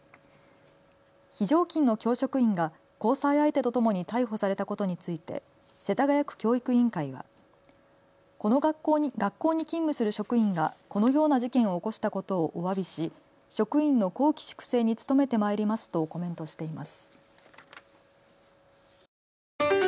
非常勤の教職員が交際相手とともに逮捕されたことについて世田谷区教育委員会は学校に勤務する職員がこのような事件を起こしたことをおわびし職員の綱紀粛正に努めてまいりますとコメントしています。